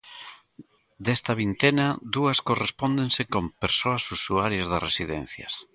Desta vintena, dúas correspóndense con persoas usuarias de residencias.